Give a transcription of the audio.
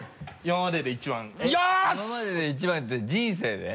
今までで一番って人生で？